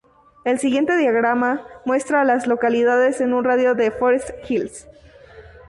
El siguiente diagrama muestra a las localidades en un radio de de Forest Hills.